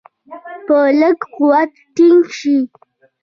په لږ قوت ټینګ شي.